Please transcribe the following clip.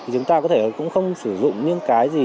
chúng ta cũng không sử dụng những cái gì